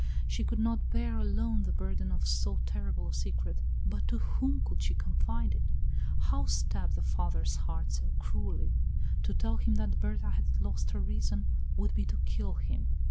She could not bear alone the burden of so terrible a secret, but to whom could she confide it? How stab the father's heart so cruelly! To tell him that Berta had lost her reason would be to kill him.